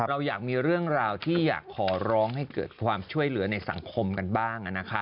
เราอยากมีเรื่องราวที่อยากขอร้องให้เกิดความช่วยเหลือในสังคมกันบ้าง